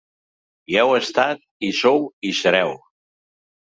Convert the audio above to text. Hi heu estat, hi sou i hi sereu.